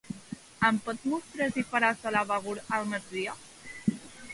Em pots mostrar si farà sol a Begur al migdia?